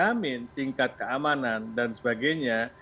tidak bisa menjamin tingkat keamanan dan sebagainya